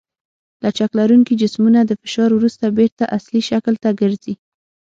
لچک لرونکي جسمونه د فشار وروسته بېرته اصلي شکل ته ګرځي.